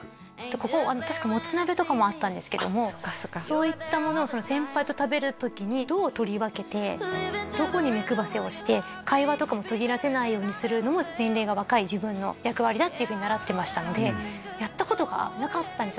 ここ確かもつ鍋とかもあったんですけどもそういったものを先輩と食べる時にどう取り分けてどこに目くばせをして会話とかも途切れさせないようにするのも年齢が若い自分の役割だっていうふうに習ってましたのでやったことがなかったんですよ